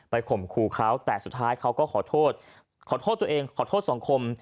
ข่มขู่เขาแต่สุดท้ายเขาก็ขอโทษขอโทษตัวเองขอโทษสังคม